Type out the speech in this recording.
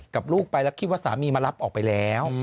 ลูกไปแล้วคิดว่าสามีมารับออกไปแล้ว